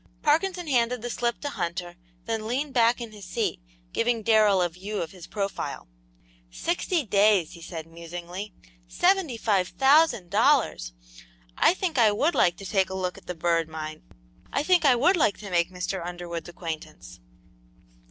Parkinson handed the slip to Hunter, then leaned back in his seat, giving Darrell a view of his profile. "Sixty days!" he said, musingly. "Seventy five thousand dollars! I think I would like to take a look at the Bird Mine! I think I would like to make Mr. Underwood's acquaintance!"